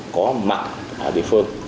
có mặt ở địa phương